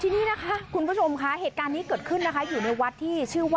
นี่ตกใจน่ะละนี่